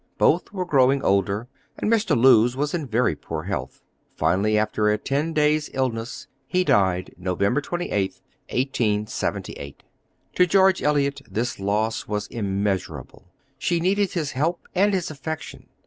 Both were growing older, and Mr. Lewes was in very poor health. Finally, after a ten days' illness, he died, Nov. 28, 1878. To George Eliot this loss was immeasurable. She needed his help and his affection.